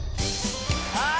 ああ！